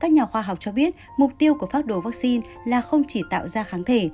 các nhà khoa học cho biết mục tiêu của phác đồ vaccine là không chỉ tạo ra kháng thể